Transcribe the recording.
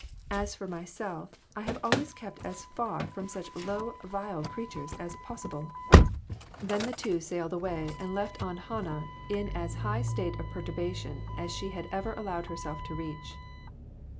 As for myself, I have always kept as far from such low, vile creatures as possible." WITHOUT ARE DOGS. 2? 'I Then the two sailed away and left Aunt Han nah in as high a state of perturbation as she ever allowed herself to reach.